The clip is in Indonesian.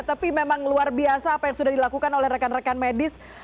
tapi memang luar biasa apa yang sudah dilakukan oleh rekan rekan medis